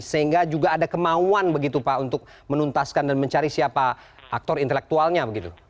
sehingga juga ada kemauan untuk menuntaskan dan mencari siapa aktor intelektualnya